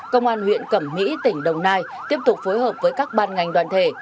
công an huyện cẩm mỹ tỉnh đồng nai tiếp tục phối hợp với các ban ngành đoàn thể